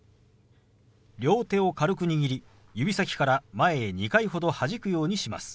両手を軽く握り指先から前へ２回ほどはじくようにします。